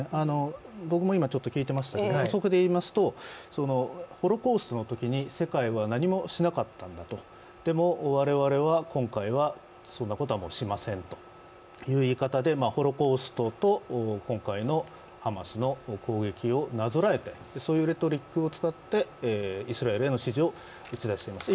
僕も今、聞いてましたが、補足で言いますとホロコーストのときに世界は何もしなかったんだと、でも我々は今回はそんなことはもうしませんという言い方でホロコーストと今回のハマスの攻撃をなぞらえてそういうレトリックを使ってイスラエルへの支持を打ち出しています。